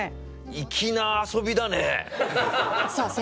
粋な遊びだね！